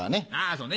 そうね